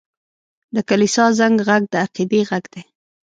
د کلیسا زنګ ږغ د عقیدې غږ دی.